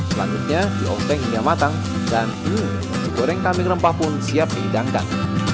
selanjutnya diopeng hingga matang dan hmm nasi goreng kambing rempah pun siap dihidangkan